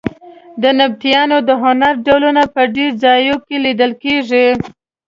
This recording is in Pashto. د نبطیانو د هنر ډولونه په ډېرو ځایونو کې لیدل کېږي.